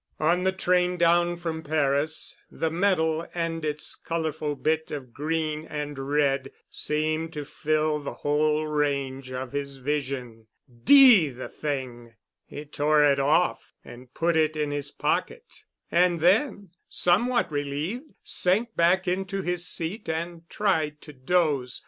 On the train down from Paris, the medal and its colorful bit of green and red seemed to fill the whole range of his vision. D—— the thing! He tore it off and put it in his pocket, and then, somewhat relieved, sank back into his seat and tried to doze.